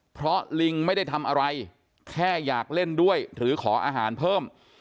เพราะลิงไม่ได้ทำอะไรแค่อยากเล่นด้วยหรือขออาหารเพิ่ม